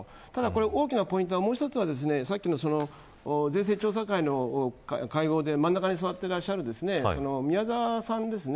大きなポイントのもう一つはさっきの税制調査会の会合で真ん中に座っている宮沢さんですね。